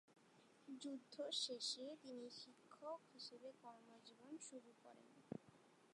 যুদ্ধ শেষে তিনি শিক্ষক হিসেবে কর্মজীবন শুরু করেন।